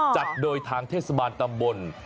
จัดโดยทางเทศบาลตำบล